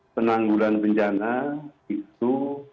penanggulan bencana itu